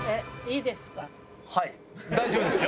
はい大丈夫ですよ。